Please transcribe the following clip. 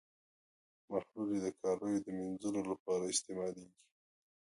محلول یې د کالیو د مینځلو لپاره استعمالیږي.